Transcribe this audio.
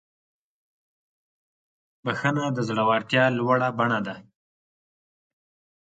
بخښنه د زړورتیا لوړه بڼه ده.